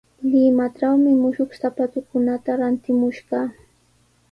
Limatrawmi mushuq sapatukunata rantimushqaa.